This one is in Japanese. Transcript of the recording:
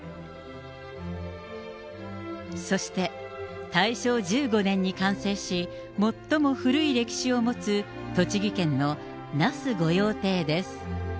そして、大正１５年に完成し、最も古い歴史を持つ栃木県の那須御用邸です。